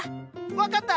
分かった！